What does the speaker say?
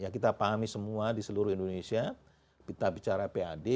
kita pahami semua di seluruh indonesia kita bicara pad